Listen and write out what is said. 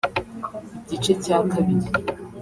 Igice cya kabiri